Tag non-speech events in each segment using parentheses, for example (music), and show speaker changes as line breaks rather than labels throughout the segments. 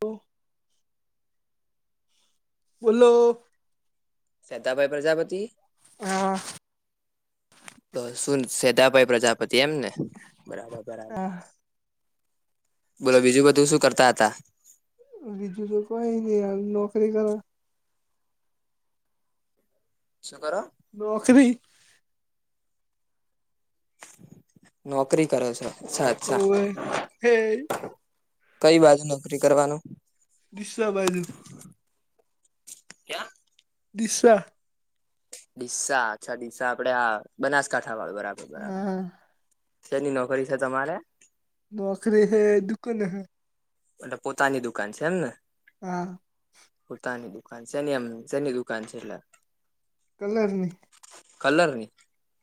હ (unintelligible) ઓલો
શેતાભાઈ પ્રજાપતિ
હ (unintelligible)
તો શું સેદાભાઈ પ્રજાપતિ એમ ને બરાબર બરાબર
હા
બોલો બીજું બધું શું કરતા હતા.
બીજું તો કોઈ નહીાર નોકરી કર
શુંકર
નોકરી
નોકરી કરો છોચછા અચ્છા
ઓવે હે
કઈ બાજુ નોકરી કરવાનુ
દસ્ બાજુ
ક્યાં
દિશા
ડીસા અચ્છા ડીસા આપડે આ બનાસકાંઠા વાળ બરાબર બરાબર
હા
શની નોકરી છે, તમારે
નોકરી હૈ દુકાન હૈ
એટલે પોતાની દુકાન છે એમ ને
હા
પોૂતાની દુકાન છેની એમ શની દુકાન છે, એટલે
કલરનીહી
કલરની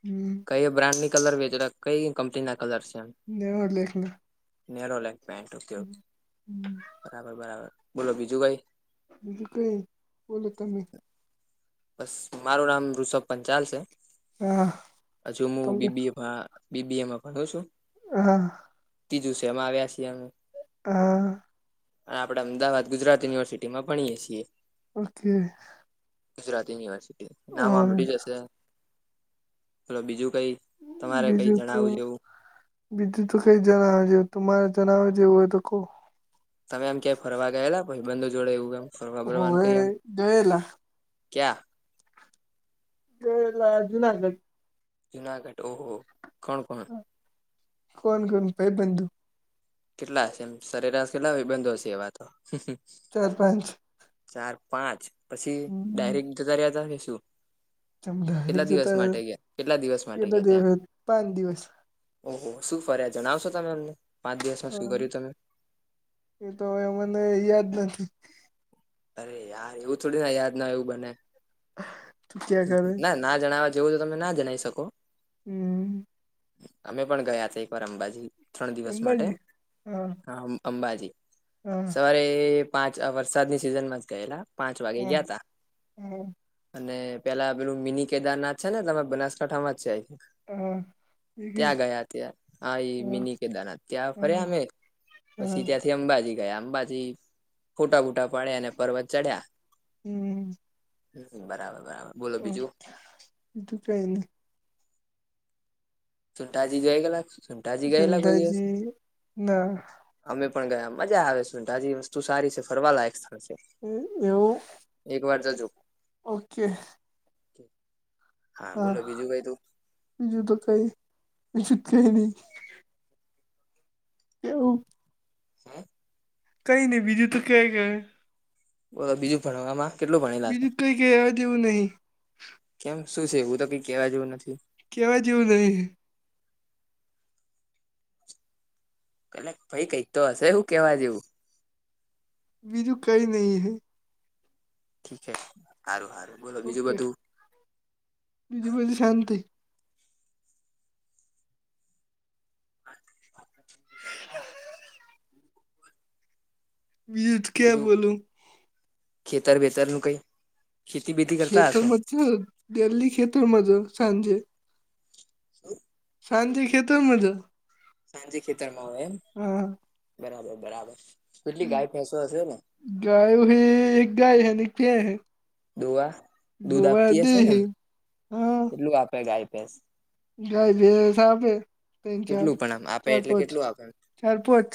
હમ્મ
કઈ બ્રાન્ડની કલર વેઘરે કઈ કંપની ના કલર છે એમ
નેરો લેખના
નેરો લેગપેન્ટ ઓકે ઓ
હમ્મ
બરાબર બરાબર બોલો બીજું કઈ
બીજું કઈ બોલો તમે
બસ મારું નામ ઋષભ પંચાલ છે,
હા
હજુ મુ
તમને
બીબીએ ભા બીબીએમ ભણો છો?
હા
ત્રીજું છે એમાં આવ્યા છીએ અમે.
હા
હા આપડા અમદાવાદ ગુજરાત યુનિવર્સિટીમાં ભણીએ છીએ.
ઓકે
ગુજરાતી યુનિવર્સિટી નામ સાંભળયુ જ હશે? બોલો બીજું કઈ? તમારે કઈ
બીજું તો
જણાવું જેવું
બીજું તો કઈ જણાવ્યા જેવુ તમારે જણાવ્યા જેવું હોય તો કો
તમે આમ ક્યાંય ફરવા ગયેલા ભાઈબંધો જોડે એવુ એમ ફરવા ફરવાનું
હોવે
કઈ એમ?
ગયેલા
ક્યા?
એલા જુનાગઢ.
જુનાગઢ ઓહો કોણ કોણ?
કોણ કોણ ભાઈબંધો.
કેટલા છે એમ સરેરાશ કેટલા ભાઈબંધો હશે એવા તો?
ચાર પાંચ
ચાર પાંચ પછી ડાયરેક જતાા રહ્યા હતા શું?
તમ ડાયરેક
કેટલા દિવસ
જતા
માટે ગયા કેટલા દિવસ માટે
કેટલા
ગયા તેમ?
દિવસ પાંચ દિવસ
ઓહો શું ફર્યા જણાવશો તમે અમને પાંચ દિવસમાં શું કર્યું તમે?
એ તો હવે મને યાદ નથી.
અરે યાર એવું થોડુ ન યાદ ના હોય એવું બને.
તું ક્યાં કરે
ના ના જણાવવા જેવું તો તમે ના જણાવી શકો.
હમ
અમે પણ ગયા છે એક વાર અંબાજી ત્રણ દિવસ માટે
અંબાજી હા
અંબાજી
હા
સવારે એ પાંચ વરસાદની સિઝન માં જ ગયેલા. પાંચ વાગે
હા
ગયા હતા.
હા
અને પેલા પેલું મિની કેદારનાથ છે ને તમે બનાસકાંઠામાં જ છે આ
હા
ત્યાં ગયા ત્યાં હા એ મિની કેદારનાથ ત્યાં ફર્યા અમે પછી ત્યાંથી અંબાજી. ગયા અંબાજી ફોટા બૂટા પાડ્યા અને પર્વત ચઢ્યા.
હમ
હ બરાબર બરાબર બોલો
હા
બીજું
બીજું (inaudible)
સુંઢાજી જય ગેલા સુંઢાજી ગયેલા કોઈ દિવસ?
ગંધાજી ના
અમે પણ ગયા મજા આવે સુંઢાજી વસ્તુ સારી છે ફરવાલાયક સ્થળ છે.
હમ એવું
એક વાર જજો.
ઓકે.
(inaudible)
હા
બોલો બીજું કઈ તું
બીજું તો કઈ બીજું જ કઈ નહી. એવું?
હા
કઈ નહી બીજું તો ક કય?
બોલો તો બીજું ભણવામાં કેટલું ભણેલા છે?
બીજું કઈ કહેવા જેવું નહી
કેમ શું છે એવું તો કઈ કેવા જેવું નથી?
કેવા જેવું નઈ.
પેલે ભાઈ કઈ તો હશે હું કેવા જેવું?
બીજું કઈ નહીં હૈ.
ઠીકે સારું સારું બોલો બીજું બધું?
બીજી બજી શાંતિ.
(inaudible)
(unintelligible) (unintelligible)
બીજું ખેતર વેતર નું કઈ? ખેતી બેતી કરતા
ખેત
હશો
મ દેલ્લી ખેત મા જ સાંજે.
(inaudible)
સાંજે ખેતરમાં જ.
સાંજે ખેતરમાં હોય એમ!
હા.
બરાબર બરાબર કેટલી ગાય ભેંસ સો હશે ને?
ગાય હ એક ગાય હૈ.
દોવા દૂધ આપતી હશે
હે
એમ કેટલું આપે ગાય ભેંસ?
જાય ભસા આપે તન ચાર
કેટલું પણ આમ આપે
ચાર
એટલે
પાંચ
કેટલું આપે
ચાર પાંચ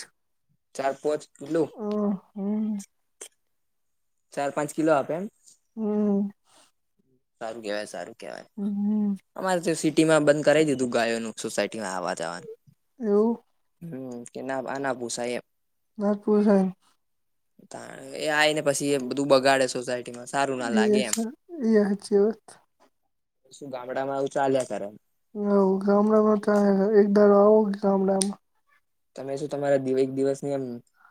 ચાર પોંચ એટલું?
હમ્મ.
ચાર પાંચ કિલો આપે એમ?
હમ્મ.
સારું કેવાય સારું કેવાય.
હમ્મ.
અમારે તો સિટીમાં બંધ કરાવી દીધું ગાયોનું સોસાયટીમાં આવવા જવાનું.
એવુ.
હમ કે ના આ ના પોસાય એમ.
નાજ પોસાય ને.
એ આય ને પછી એ બધું બગાડે સોસાયટીમાં સારું ના
એ
લાગે એમ.
એ હાચી વાત.
શું ગામડામાં આવું ચાાલ્યા કરે.
હ ગામડામાં તો એક દાર આવો ગામડામાં.
તમે શું તમારા એક દિવસ ની એમ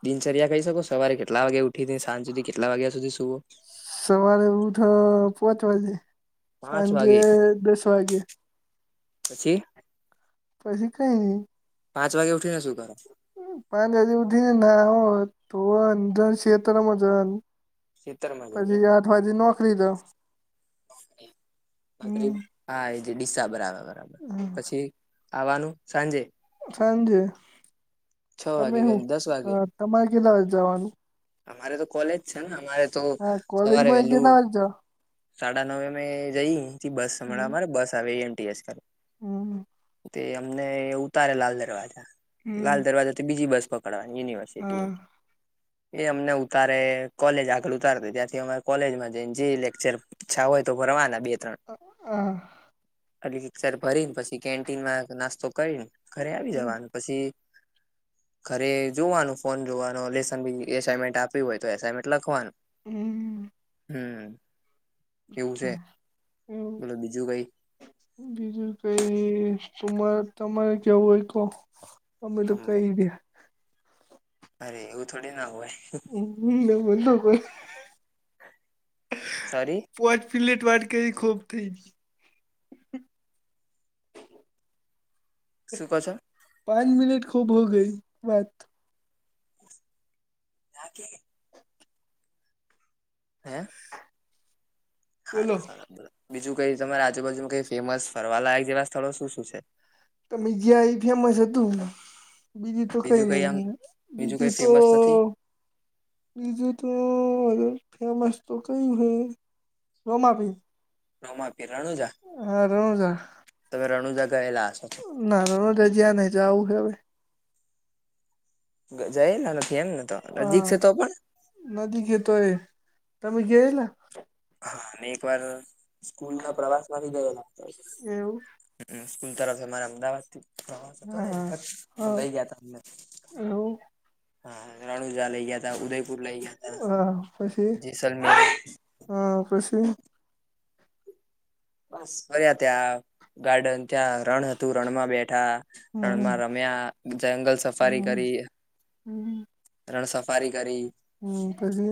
દિનચર્યા કઈ શકો સવારે કેટલા વાગે ઉઠી સાંજ સુધી કેટલા વાગ્યા સુધી સુુવો?
સવારે ઉઠ પોચ વાગે.
પાંચ
સાંજે
વાગે
દસ વાગે
(unintelligible) પછી?
પછી કઈ નહી.
પાંચ વાગે ઉઠીને શું કરો?
પાંચ વાજે ઉધી ને (unintelligible)
ખેતરમાં જઈએ
પછી આઠ વાગે નોકરી તો હમ્મ.
તકરીબ હા એજ ડીસા બરાબર બરાબર પછી આવવાનું સાંજે?
સાંજે
છ
તમે
વાગે કે
શું
દસ વાગે
તમારે કેટલા જવાનું?
અમારે તો કોલેજ છે ને અમારે તો
હા
સવારે
કોલેજમાં
વેલું
કેટલા વાગે જાવ
સાડા નવ મેમે જઈ અથી બસ હણા અમારે બસ આવે એમટી આજકાલ
હમ્મ.
તે અમને ઉતારે લાલ દરવાજા લાલ
હમ
દરવાજાથી બીજી બસ પકડવાની યુનિવર્સિટી.
હા
એ અમને ઉતારે કોલેજ આગળ ઉતાર ત્યાંથી અમારે કોલેજમાં જઈને જે લેક્ચર અચ્છા હોય તો ભરવાના બે
હા
(unintelligible) ભરીને પછી કેન્ટીનમાં નાસ્તો કરીને ઘરે આવી જવાનું પછી ઘરે જોવાનું ફોન જોવાનો લેસન બી એસાઇનમેન્ટ આપી હોય તો એસાઇનમેન્ટ લખવાનું.
હમ્મ.
હમ્મ.
અચ્છા એવું.
બોલો બીજું કઈ
બીજું કઈ તમારે કેવું હોય તો? અમે તો કઈ ગયા.
અરે એવું થોડી ના હોય.
હમ નમો નમો
સારી
પોંચ પિલેટ વાટ કેવી ખોબ થઈ.
શું કહો છો
પાંચ મિનટ ખૂબ હો ગઈ વાત
આ કે
(inaudible)
હે
બોલો
સારું સારું બીજું કઈ તમારા આજુબાજુમાં કઈ ફેમસ ફરવા લાયક જેવા સ્થળો શું શું છે.
તમે જ્યા એ ફેમસ હતું. બીજું તો ખાઈ
કઈ આમ
નઈ બીજું
કઈ
તો
ફેમસ નથી
બીજું તો હ ફેમસ તો કઈ હય રમા ભ
રોમા પીરણું
હા રમજ
તમે રણુજા ગયેલા.
ના ના ના રણુજા જ્યાં નહ જ આવું છે હવે
જઈ લ ફી એમ ને તો નજીક
હા
છે તો પણ
નદી ગતો એ તમે ગયાલા
હા એક વાર સ્કૂલ ના પ્રવાસ માંથી ગયેલા. હતા.
એવું
સ્કૂલ તરફ મારા અમદાવાદ થી પ્રવાસ હતો
હા
તો
હા
લઈ ગયા ત અમે
એવું
હા રણુઝા લઇ ગયા તા ઉદયપુર લઇ ગયા હતા જેસલર
હ પશી
બસ ફર્યા ત્યાં ગાર્ડન ત્યાં રણ હતું રણમાં બેઠા
હમ
રણમાં રમ્યા જંગલ સફારી
હમ
કરી.
(inaudible)
રણ સફારી કરી.
હમ પછી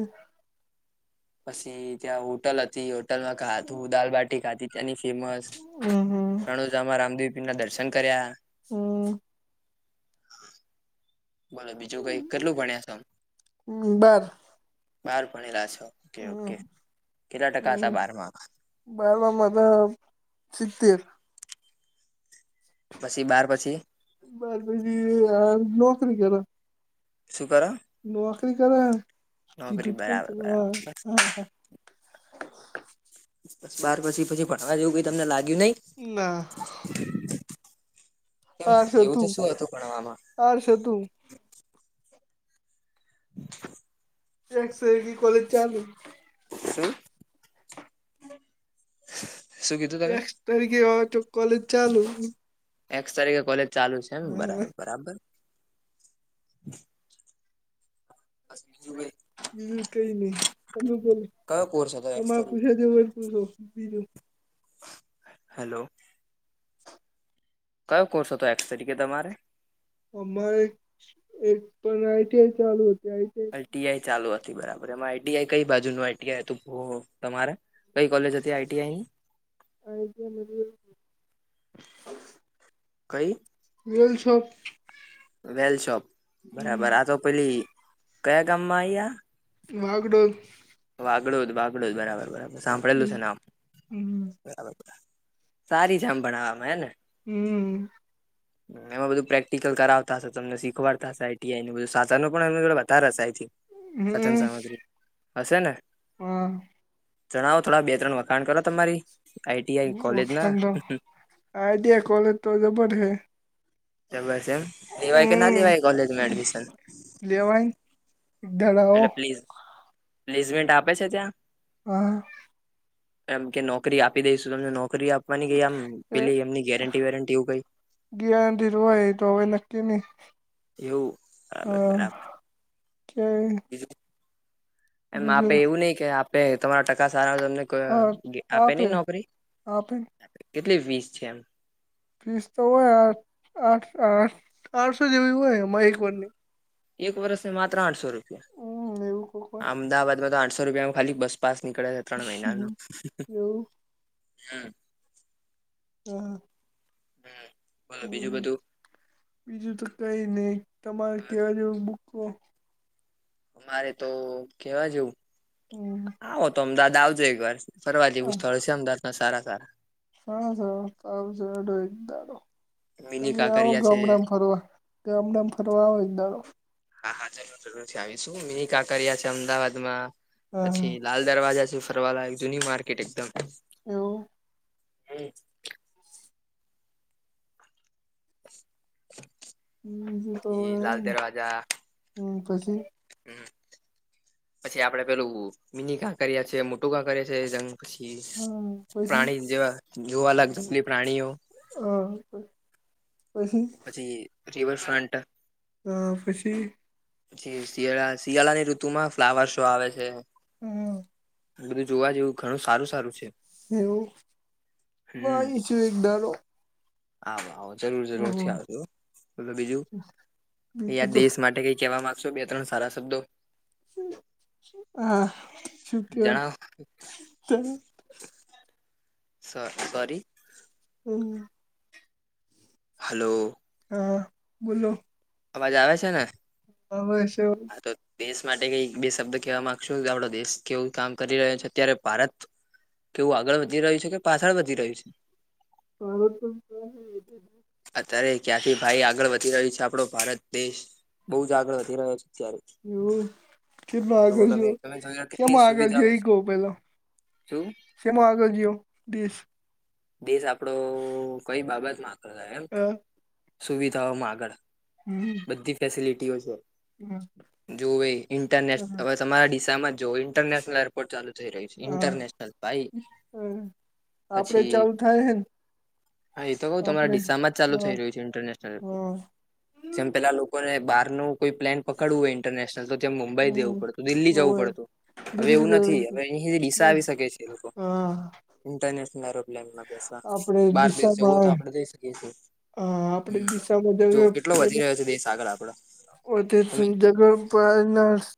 પછી ત્યાં હોટલ હતી હોટલમાં ખાધું દાલબાટી ખાધી. ત્યાંની ફેમસ
હમ
રણોજામાં રામદેવી પીર ના દર્શન કર્યા.
હમ
બોલો બીજું કઈ કેટલું ભણ્યા છો
બાર
બાર ભણેલા છો. ઓકે
હમ
ઓકે કેટલા ટકા હતા બારમાં
બારવામા તો સીતેર
પછી બાર પછી
બસ પજી નોકરી કરી.
શુ કરો?
નોકરી કરે
નોકરી
કીધું કે
બરાબર બરાબર
હા
બસ બાર પછી પછી ભણવા જેવું કઈ તમને લાગ્યું નહીં.
ના
કેમ
આર્ટ્સ
એવું તો
હતું
શું ભણવામાં
આર્ટ્સ હતું.
(inaudible)
એક સેગી કોલેજ ચાલુ.
શું (inaudible) તમે
એક તારીખે હોવે તો કોલેજ ચાલુ.
એક્સ તારીકે કોલેજ ચાલુ છે એમ
હા
બરાબર બરાબર. બીજું ભાઈ
હું કઈ ની તમે બોલો
કયો કોર્સ એક્સ
તમારે
તારીખે
પૂછે દ બલુ બીજું.
હેલો કયો કોર્સ હતો એક્સ તરીકે તમારે
અમારેક એક પણ આઈટીઆઈ ચાલુતી આઈટી
ટીઆઈ ચાલુ હતી બરાબર એમાં આઈટીઆઈ કઈ બાજુનું આઈટીઆઇ હતુ, ઓહો તમારે કઈ કોલેજ અતી આઈટીઆઈ ની
(unintelligible)
કઈ
વેલસોફ્ટ
વેલ શોપ બરાબર આ તો પેલી કયા ગામમાં આયી આ
વાઘડોલ
વાઘડુંદ બાઘડુંદ બરાબર બરાબર સાંભળેલું છે નામ
હમ
બરાબર સારી જામ ભણાવામાં હેને
હુ
એમાં બધું પ્રેક્ટિકલ કરાવતા હશે તમને શીખવાડતા હશે આઈટીઆઈ નુ બધુ સા સનું પન એમની જોડે વધારે હસે આઈ થિન્ક સતન
હમ
સામગ્રી હશે ને
હા
જણાવો થોડા બે ત્રણ વાત ખાણ કરો તમારી આઈટીઆઈ કોલેજ ના
આઇટીઆઇ કોલેજ તો જબર હે
તો બસ એમ લેવાય કે ના લેવાય એ કોલેજમાં એડમિશન
લેવાઈ
એટલે પ્લીસ પ્લીઝમેન્ટ આપે છે, ત્યા
હા
એમ કે નોકરી આપી દઈશું તમને નોકરી આપવાની ગઇ આમ
એ
પેલી એમની ગેરંટી વેરંટી એવું કઈ
ગેરંટી જ હોય તો હવે નક્કી ની
એવું
હ
બરાબર બરાબર
ક્યાંય
બીજું એમ આપે એવું નઈ કે આપે તમારા ટકા સારા હોય તો તમને ક
હા
કે આપે નઈ નોકરી
આપે
કેટલી ફિસ છે, એમ
ફીસ તો હોય આઠ આઠ આઠ આઠસો જેવી હોય એમાં એક વરની
એક વરસને માત્ર આઠસો રૂપિયા
હમ એવું કોક હોય
અમદાવાદમાં તો આઠસો રૂપિયામા ખાલી બસપાસ નીકળે હે ત્રણ મહિનાનો
હમ, એવું
હુ
હ
હું
હમ બીજું તો કઈ નઇ તમારે કેવા જેવુ બુકો
મારે તો કેવા જેવુ
(unintelligible)
આવો તો અમદાવાદ આવજે એક વાર ફરવા જેવું સ્થળ સે અમદાવાદ ના સારા સારા
હા હા ત
મિની
તમેય આવો
કાંકરિયા છે
ગામડામાં ફરવા ગામડામાં ફરવા આવો એક દાડો
હા હા જરૂર જરૂર થી આવીશું મિની કાકરિયા છે અમદાવાદમાં
હા હા
પછી. લાલ દરવાજા છે ફરવા લાયક જૂની માર્કેટ એકદમ
એવું
હું (inaudible)
હ તો
પછી લાલ દરવાજા
હ પછી.
હમ પછી આપડે પેલું મિની કા કરએી મોટું કા કરીએ છે, જંગ પછી
હા પછી
પ્રાણી જેવા જોવા લગ જપલી પ્રાણીઓ.
હમ્મ પછી
પછી રિવરફ્રન્ટ
આ પછી
પછી શિયાળા શિયાળા ની ઋતુ માં ફ્લાવર શો આવે છે.
હમ્મ
બધું જોવા જેવું ઘણું સારુ સારુ છે.
એવું મા ઈ છું એક ડારો.
આવ આવ જરૂર જરૂર થી આવજો તો બીજું
બીજું
અહીયા
તો
દેશ માટે કઈ કેવા માં ક્સો બે બે ત્રણ સારા શબ્દો.
હા છું કયો
જણાવો
તં
સ સોરી.
હમ.
હલો
હા બોલો.
અવાજ આવે છે ને?
આવે છે
હા તો દેશ માટે કઈ બે શબ્દ કહેવા માંગશો કે આપડો દેશ કેવું કામ કરી રહ્યો છે અત્યારે ભારત. કેવું આગળ વધી રહ્યું છે કે પાછળ વધી રહ્યું છે.
ભારત (inaudible)
અત્યારે ક્યાંથી ભાઈ આગળ વધી રહ્યું છે આપડો ભારત દેશ બહુ જ આગળ વધી રહ્યો છે. અત્યારે
એવું કેટલો
તો
આગળ
તમે
ગયો
તમે જોઈ
કેમ આગળ જઈ કઉ પેલા
છું?
શે માં આગળ ગીયો દેશ.
દેશ આપડો કઈ બાબતમાં આગળ થાય એમ
હા
સુવિધાઓમાં આગળ.
હમ.
બધી ફેસિલિટીઓ છે જો ઇન્ટરનેટ. તમારા દિશામાં જો ઇન્ટરનેશનલ. (unintelligible) ચાલુ થઈ રહ્યું છે
હા
ઇન્ટરનેશનલ ભાઈ પછી.
(unintelligible)
હા એ તો કહો તમારા
આપડે
ડીસામાં જ ચાલુ
હા
થઈ રહ્યું છે ઇન્ટરનેશનલ એરપોર્ટ.
હા
જેમ પેલા લોકો ને બાર નું કોઈ પ્લેન પકડવું હોય ઇન્ટરનેશનલ તો તે મુંબઈ જવું
હમ
પડતું દિલ્હી જવું
હોવે
પડતું. હવે
દિલ્હી
એવું નથી
જવું
હવે અહી દિશ
પડશે
આવી શકે છે એ લોકો
હા
ઇન્ટરનેશનલ એરોપ્લેન. મા બેસવા
આપડે
બાર દેશ જવું
દિશામાં
હોય તો
આવે
આપડે જઈ શકીએ છે
હા આપડી દિશા
વધી રહ્યો છે દેશ આગળ આપડો
(unintelligible)
તમે તો
(unintelligible)